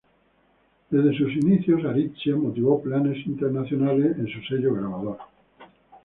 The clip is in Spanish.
Desde sus inicios, Ariztía motivó planes internacionales en su sello grabador.